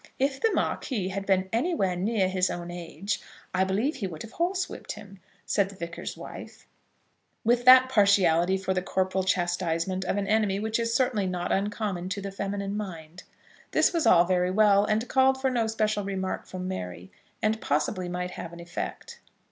"If the Marquis had been anywhere near his own age I believe he would have horsewhipped him," said the Vicar's wife, with that partiality for the corporal chastisement of an enemy which is certainly not uncommon to the feminine mind. This was all very well, and called for no special remark from Mary, and possibly might have an effect.